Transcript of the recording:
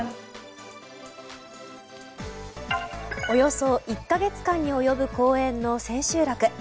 およそ１か月間に及ぶ公演の千秋楽。